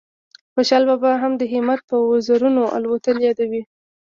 خوشال بابا هم د همت په وزرونو الوتل یادوي